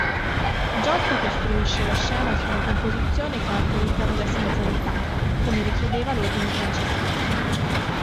Giotto costruisce la scena su una composizione caratterizzata da essenzialità, come richiedeva l'ordine francescano.